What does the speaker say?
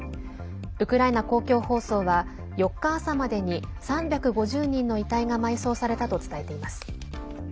ウクライナ公共放送は４日朝までに３５０人の遺体が埋葬されたと伝えています。